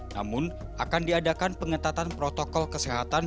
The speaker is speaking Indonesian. namun akan diadakan pengetatan protokol kesehatan